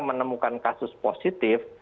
menemukan kasus positif